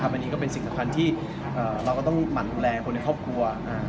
อันนี้ก็เป็นสิ่งสำคัญที่เราก็ต้องหมั่นดูแลคนในครอบครัว